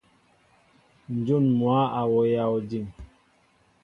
Njŭn mwă a wowya ojiŋ.